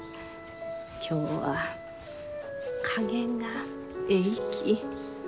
今日は加減がえいき。